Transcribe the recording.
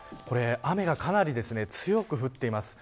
雨がかなり強く降っています。